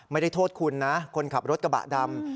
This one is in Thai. ไม่ได้โทษคุณนะคนขับรถกระบะดำ